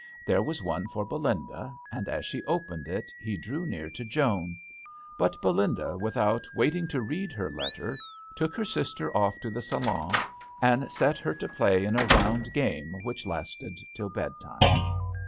There was one for Belinda, and as she opened it he drew near to Joan ; but Belinda, without waiting to read her letter, took her sister off to the salon, and set her to play in a round game which lasted till bedtime.